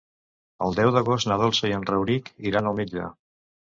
El deu d'agost na Dolça i en Rauric iran al metge.